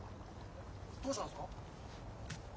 どうしたんすか？